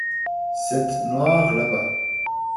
Cette noire là-bas.